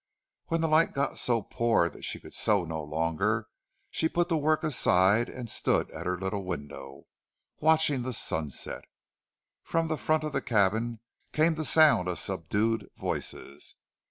When the light got so poor that she could sew no longer she put the work aside and stood at her little window, watching the sunset. From the front of the cabin came the sound of subdued voices.